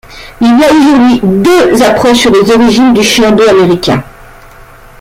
Il y a aujourd'hui deux approches sur les origines du chien d'eau américain.